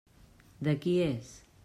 De qui és?